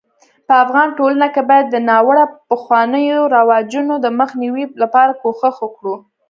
په افغاني ټولنه کي بايد د ناړوه پخوانيو رواجونو دمخ نيوي لپاره کوښښ وکړو